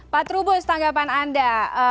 pak trubus tanggapan anda